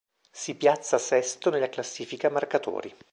Si piazza sesto nella classifica marcatori.